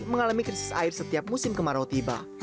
mengalami krisis air setiap musim kemarau tiba